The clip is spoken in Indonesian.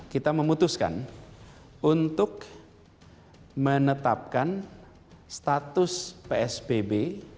kita memutuskan untuk menetapkan status psbb